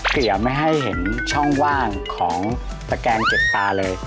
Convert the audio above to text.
อย่าไม่ให้เห็นช่องว่างของตะแกงเก็บตาเลย